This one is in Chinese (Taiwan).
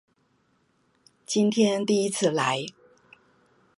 今天第一次來